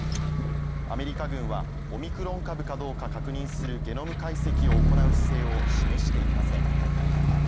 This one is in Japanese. アメリカ軍はオミクロン株かどうか確認するゲノム解析を行う姿勢を示していません。